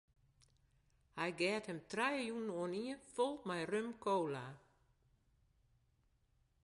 Hy geat him trije jûnen oanien fol mei rum-kola.